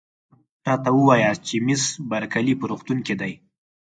راته ووایاست چي مس بارکلي په روغتون کې ده؟